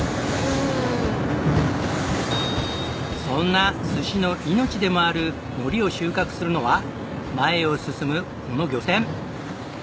そんな寿司の命でもある海苔を収穫するのは前を進むこの漁船。